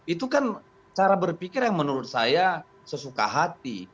itu kan cara berpikir yang menurut saya sesuka hati